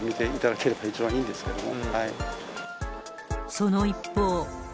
その一方。